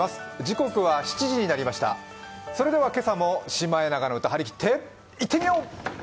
それでは今朝も「シマエナガの歌」張り切っていってみよう！